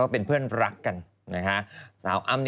เป็นเพื่อนรักกัน